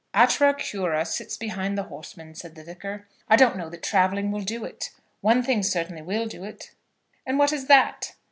"Atra Cura sits behind the horseman," said the Vicar. "I don't know that travelling will do it. One thing certainly will do it." "And what is that?"